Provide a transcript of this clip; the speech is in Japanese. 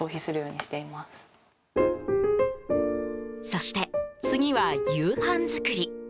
そして次は夕飯作り。